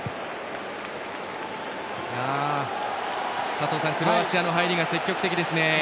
佐藤さん、クロアチアの入りが積極的ですね。